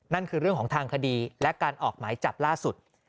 นั่นคือเรื่องของทางคดีและการออกหมายจับล่าสุด